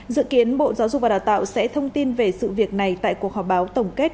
dự kiến bộ giáo dục và đào tạo sẽ thông tin về sự việc này tại cuộc họp báo tổng kết